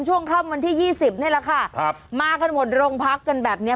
ช่วงข้ามวันที่๒๐นี่แหละค่ะมากันหมดโรงพักกันแบบเนี้ย